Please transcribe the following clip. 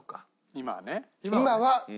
今はね。